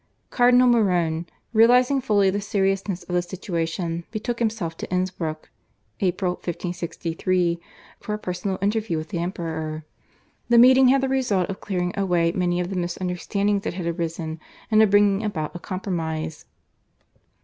Cardinal Morone, realising fully the seriousness of the situation, betook himself to Innsbruck (April 1563) for a personal interview with the Emperor. The meeting had the result of clearing away many of the misunderstandings that had arisen, and of bringing about a compromise.